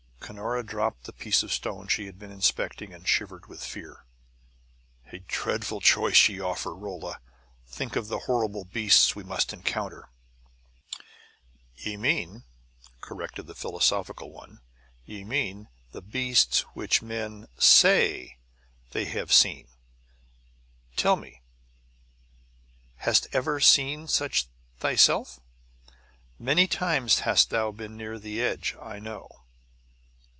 Cunora dropped the piece of stone she had been inspecting and shivered with fear. "A dreadful choice ye offer, Rolla! Think of the horrible beasts we must encounter!" "Ye mean" corrected the philosophical one "ye mean, the beasts which men SAY they have seen. Tell me; hast ever seen such thyself? Many times hast thou been near the edge, I know."